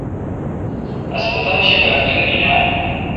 ہسپتال شی ڈاکٹر این آ?